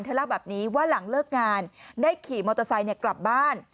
เล่าแบบนี้ว่าหลังเลิกงานได้ขี่มอเตอร์ไซค์กลับบ้าน